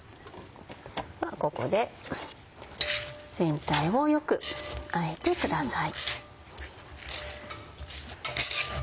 ここで全体をよくあえてください。